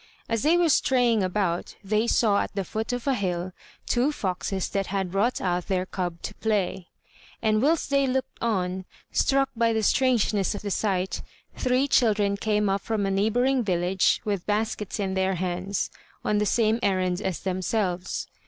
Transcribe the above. As they were straying about, they saw at the foot of a hill two foxes that had brought out their cub to play; and whilst they looked on, struck by the strangeness of the sight, three children came up from a neighbouring village with baskets in their hands, on the same errand as themselves.